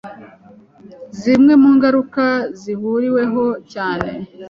Zimwe mu ngaruka zihuriweho cyane